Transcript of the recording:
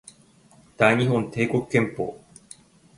大日本帝国憲法